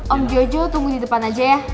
om jojo tunggu di depan aja ya